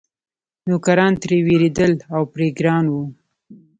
نوکران ترې وېرېدل او پرې ګران وو.